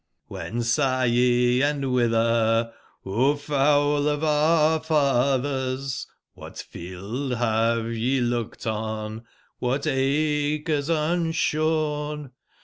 nGJVCB are ye and whither, O fowl of our fathers ? a Cdbat field have ye looked on, what acres unshorn